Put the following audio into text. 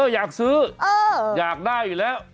อยากซื้ออยากได้อยู่แล้ว